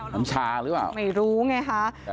น้ำชาหรือเปล่าไม่รู้ไงคะ